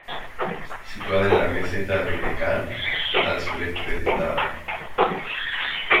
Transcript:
Situada en la meseta de Decán, al sureste del estado.